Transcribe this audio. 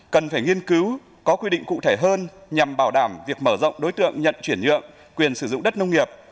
cần phải nghiên cứu có quy định cụ thể hơn nhằm bảo đảm việc mở rộng đối tượng nhận chuyển nhượng quyền sử dụng đất nông nghiệp